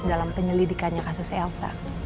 dalam penyelidikannya kasus elsa